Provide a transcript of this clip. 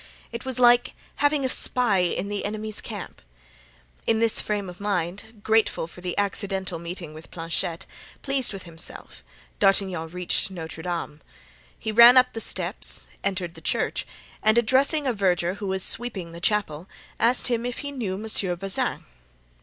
It was like having a spy in the enemy's camp. In this frame of mind, grateful for the accidental meeting with Planchet, pleased with himself, D'Artagnan reached Notre Dame. He ran up the steps, entered the church, and addressing a verger who was sweeping the chapel, asked him if he knew Monsieur Bazin.